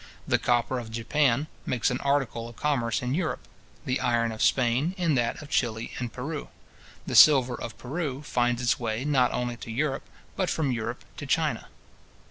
The copper of Japan makes an article of commerce in Europe; the iron of Spain in that of Chili and Peru. The silver of Peru finds its way, not only to Europe, but from Europe to China.